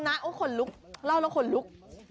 คนลุกเล่าแล้วคนลุก